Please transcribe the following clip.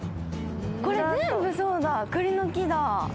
これ全部そうだ、くりの木だ。